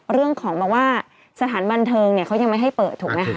เรื่องของบอกว่าสถานบันเทิงเนี่ยเขายังไม่ให้เปิดถูกไหมคะ